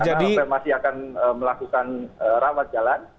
karena novel masih akan melakukan rawat jalan